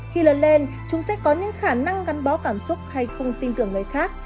khi lớn lên chúng sẽ có những khả năng gắn bó cảm xúc hay không tin tưởng người khác